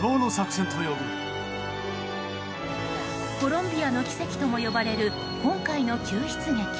コロンビアの奇跡とも呼ばれる今回の救出劇。